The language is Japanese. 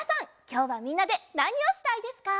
きょうはみんなでなにをしたいですか？